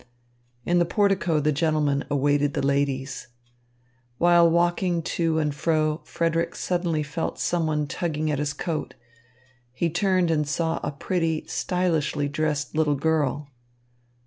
In the portico the gentlemen awaited the ladies. While walking to and fro, Frederick suddenly felt someone tugging at his coat. He turned and saw a pretty, stylishly dressed little girl.